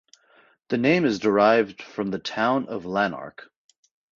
The name is derived from the town of Lanark.